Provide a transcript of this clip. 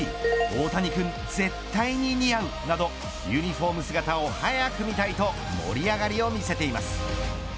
大谷君絶対に似合うなどユニホーム姿を早く見たいと盛り上がりを見せています。